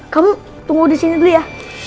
kamu tunggu disini dulu ya